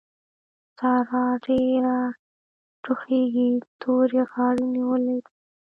سارا ډېره ټوخېږي؛ تورې غاړې نيولې ده.